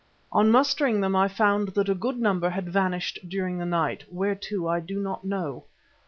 On mustering them I found that a good number had vanished during the night, where to I do not know.